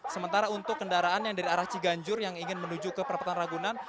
sementara untuk kendaraan yang dari arah ciganjur yang ingin menuju ke perempatan ragunan